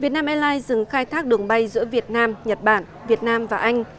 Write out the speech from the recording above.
việt nam airlines dừng khai thác đường bay giữa việt nam nhật bản việt nam và anh